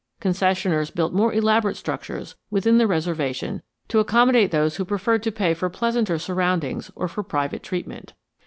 Concessioners built more elaborate structures within the reservation to accommodate those who preferred to pay for pleasanter surroundings or for private treatment.